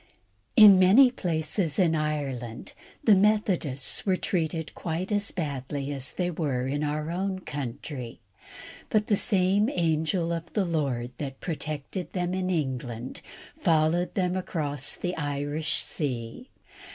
In many places in Ireland the Methodists were treated quite as badly as they were in our own country; but the same angel of the Lord that protected them in England followed them across the Irish sea.